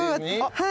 はい。